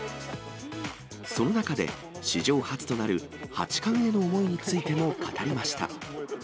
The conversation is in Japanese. その中で、史上初となる八冠への思いについても語りました。